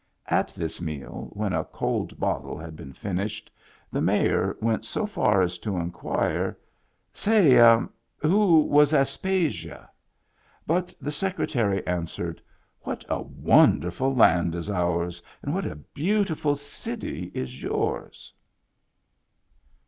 At this meal, when a cold bottle had been finished, the mayor went so far as to inquire: " Say, who was Aspasia ?" But the Secretary answered :" What a wonder ful land is ours and what a beautiful city is yours."